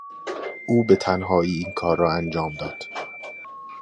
او بتنهائی این کار را انجام داد.